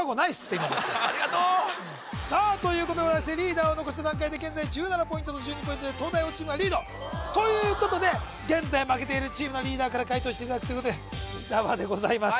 今のありがとうさあということでリーダーを残した段階で現在１７ポイントと１２ポイントで東大王チームがリードということで現在負けているチームのリーダーから解答していただくということで伊沢でございます